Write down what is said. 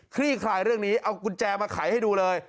ลี่คลายเรื่องนี้เอากุญแจมาไขให้ดูเลย